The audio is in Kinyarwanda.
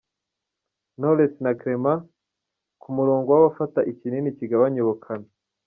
Knowless na Clement ku murongo w’abafata ikinini kigabanya ubukana.